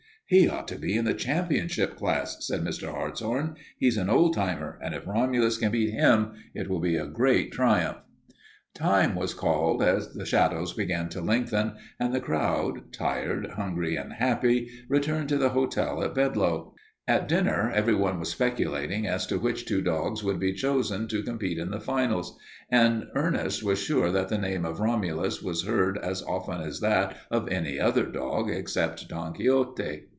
"He ought to be in the championship class," said Mr. Hartshorn. "He's an old timer, and if Romulus can beat him it will be a great triumph." Time was called as the shadows began to lengthen, and the crowd, tired, hungry, and happy, returned to the hotel at Bedlow. At dinner everyone was speculating as to which two dogs would be chosen to compete in the finals, and Ernest was sure that the name of Romulus was heard as often as that of any other dog except Don Quixote.